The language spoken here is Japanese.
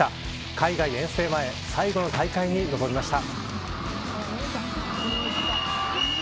海外遠征前最後の大会に臨みました。